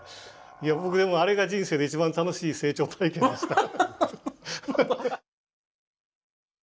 いや僕でもあれが人生で一番楽しい清張体験でした。